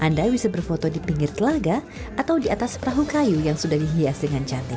anda bisa berfoto di pinggir telaga atau di atas perahu kayu yang sudah dihias dengan cantik